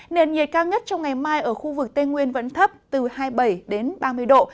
nền nhiệt cao nhất trong ngày mai ở khu vực tây nguyên vẫn thấp từ hai mươi bảy đến ba mươi độ